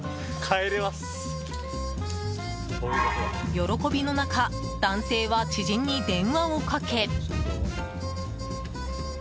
喜びの中男性は知人に電話をかけ。